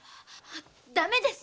ダメです！